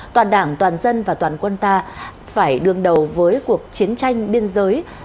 toàn đảng toàn dân và toàn quân ta phải đương đầu với cuộc chiến tranh biên giới